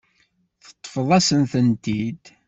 Teṭṭfeḍ-asen-tent-id.